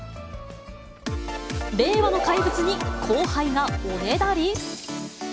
令和の怪物に後輩がおねだり。